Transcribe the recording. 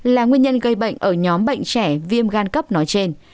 là nguyên nhân gây bệnh ở nhóm bệnh trẻ viêm gan cấp nói trên